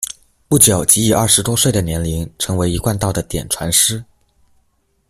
不久即以二十多岁的年龄，成为一贯道的点传师。